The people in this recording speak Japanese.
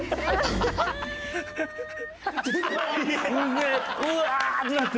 すげえうわー！ってなって。